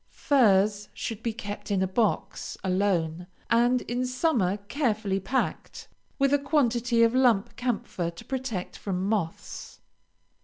Furs should be kept in a box, alone, and in summer carefully packed, with a quantity of lump camphor to protect from moths.